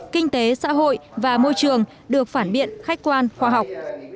kinh tế xã hội và môi trường được phản biện khách quan khoa học